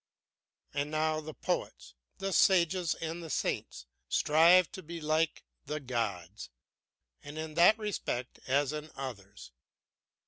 And how the poets, the sages and the saints strive to be like the gods, in that respect as in others!